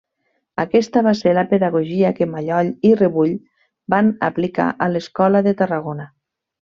Aquesta va ser la pedagogia que Mallol i Rebull van aplicar a l’escola de Tarragona.